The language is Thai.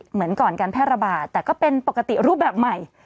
เหมือนก่อนการแพร่ระบาดแต่ก็เป็นปกติรูปแบบใหม่